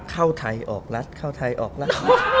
เข้าไทยออกรัฐเข้าไทยออกรัฐ